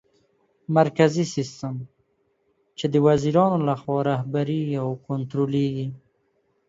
مرکزي سیستم : چي د وزیرانو لخوا رهبري او کنټرولېږي